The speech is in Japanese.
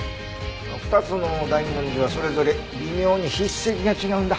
２つの大文字はそれぞれ微妙に筆跡が違うんだ。